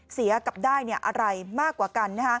เสียกับได้อะไรมากกว่ากัน